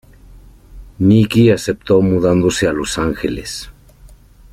Nikki aceptó mudándose a Los Ángeles.